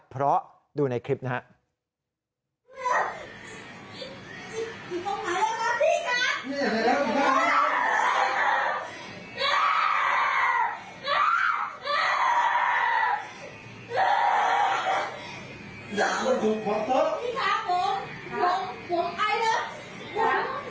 เพราะดูในคลิปนะครับ